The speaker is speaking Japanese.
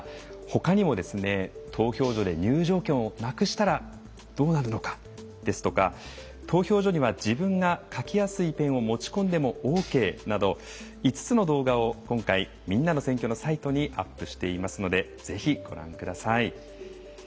ほかにも投票所で入場券をなくしたらどうなるのかですとか「投票所には自分が書きやすいペンを持ち込んでもオーケー」など５つの動画を今回「みんなの選挙」のサイトにアップしていますのでぜひご覧ください。